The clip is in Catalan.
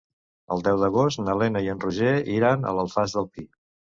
El deu d'agost na Lena i en Roger iran a l'Alfàs del Pi.